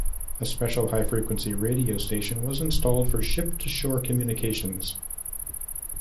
A special high frequency radio station was installed for ship-to-shore communications.